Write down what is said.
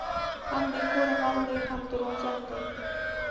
هم د کور غل دی هم دروغجن دی